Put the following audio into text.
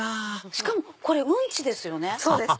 しかもこれウンチですよね。